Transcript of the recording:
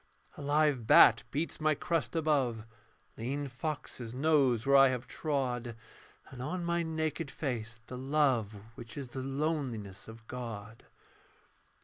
A live bat beats my crest above, Lean foxes nose where I have trod, And on my naked face the love Which is the loneliness of God.